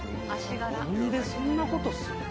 何でそんなことすんの？